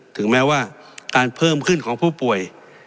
ถึงแม้ว่าการเพิ่มขึ้นของผู้ป่วย